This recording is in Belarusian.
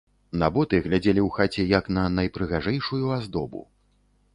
На боты глядзелі ў хаце, як на найпрыгажэйшую аздобу.